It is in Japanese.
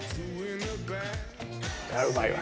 これはうまいわ。